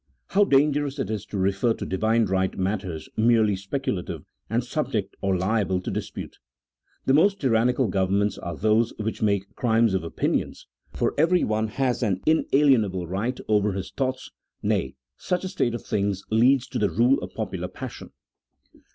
How dangerous it is to refer to Divine right matters merely speculative and subject or liable to disjmte. The most tyrannical governments are those which make crimes of opinions, for everyone has an inalienable right over his thoughts — nay, such a state of things leads to the rule of popular passion.